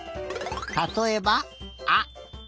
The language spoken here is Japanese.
たとえば「あ」。